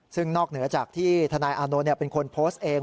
ซึ่งนอกเหนือจากที่ทนายอานนท์เป็นคนโพสต์เอง